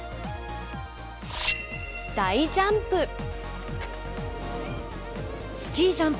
大ジャンプ！